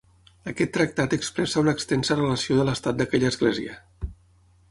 Aquest tractat expressa una extensa relació de l'estat d'aquella església.